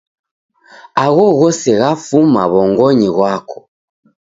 Agho ghose ghafuma w'ongonyi ghwako.